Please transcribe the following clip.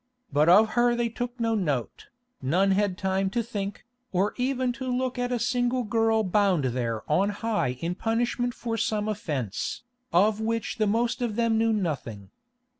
But of her they took no note, none had time to think, or even to look at a single girl bound there on high in punishment for some offence, of which the most of them knew nothing.